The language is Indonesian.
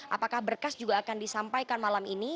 apakah berkas juga akan disampaikan malam ini